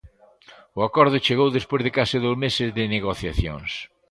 O acordo chegou despois de case dous meses de negociacións.